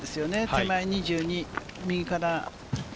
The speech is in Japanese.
手前２２、右から４。